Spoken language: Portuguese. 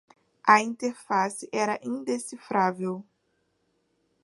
A interface era indecifrável.